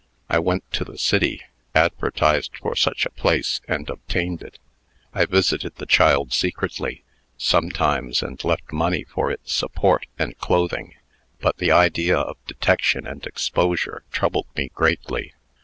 I went to the city, advertised for such a place, and obtained it. I visited the child secretly, sometimes, and left money for its support and clothing. But the idea of detection and exposure troubled me greatly.